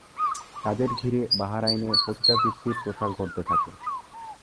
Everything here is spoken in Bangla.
তাদের ঘিরে বাহরাইনে পতিতাবৃত্তির প্রসার ঘটতে থাকে।